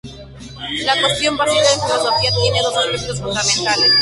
La cuestión básica en filosofía tiene dos aspectos fundamentales.